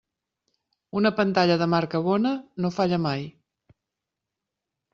Una pantalla de marca bona no falla mai.